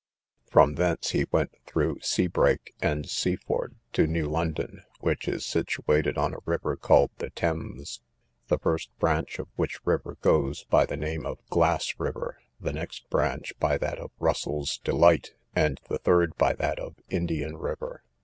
From thence he went through Seabrake and Seaford to New London, which is situated on a river called the Thames. The first branch of which river goes by the name of Glass river, the next branch by that of Russel's Delight, and the third by that of Indian river.